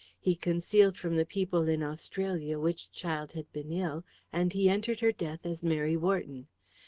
He concealed from the people in Australia which child had been ill, and he entered her death as Mary Wharton.